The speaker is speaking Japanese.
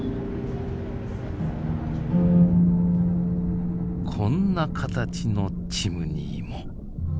こんな形のチムニーも。